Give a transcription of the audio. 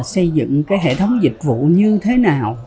xây dựng cái hệ thống dịch vụ như thế nào